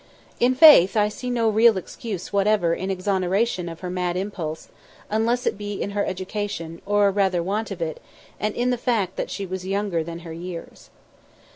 In faith, I see no real excuse whatever in exoneration of her mad impulse, unless it be in her education or, rather, want of it and in the fact that she was younger than her years.